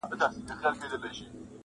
عمر تېر سو زه په صبر نه مړېږم٫